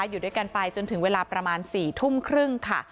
อยู่ด้วยกันไปจนถึงเวลาประมาณ๔ทุ่มครึ่งค่ะ